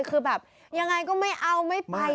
คือแบบยังไงก็ไม่เอาไม่ไป